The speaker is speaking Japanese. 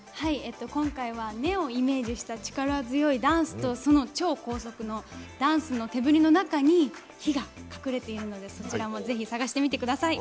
今回は「根」をイメージした力強いダンスにその超高速のダンスの手ぶりの中に「ヒ」が隠れているのでそちらもぜひ探してみてください。